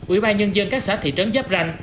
ủy ban nhân dân các xã thị trấn giáp ranh